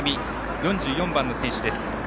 ４４番の選手です。